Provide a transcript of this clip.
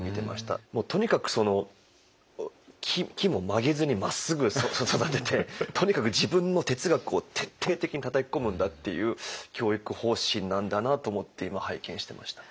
もうとにかくその木も曲げずにまっすぐ育ててとにかく自分の哲学を徹底的にたたき込むんだっていう教育方針なんだなと思って今拝見してました。